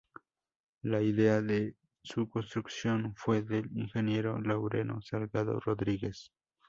La idea de su construcción fue del ingeniero Laureano Salgado Rodríguez.